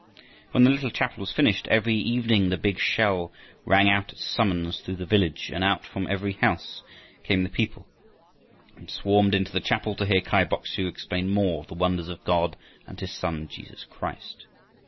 When the little chapel was finished, every evening the big shell rang out its summons through the village; and out from every house came the people and swarmed into the chapel to hear Kai Bok su explain more of the wonders of God and his Son Jesus Christ.